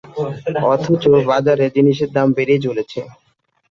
অথচ বাজারে জিনিসের দাম বেড়েই চলেছে।